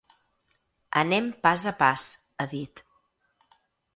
Anem pas a pas, ha dit.